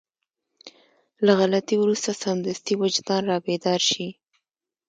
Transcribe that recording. له غلطي وروسته سمدستي وجدان رابيدار شي.